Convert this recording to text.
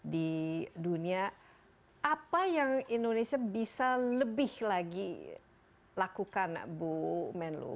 di dunia apa yang indonesia bisa lebih lagi lakukan bu menlu